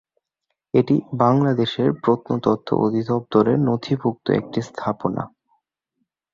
এটি বাংলাদেশের প্রত্নতত্ত্ব অধিদপ্তরের নথিভূক্ত একটি স্থাপনা।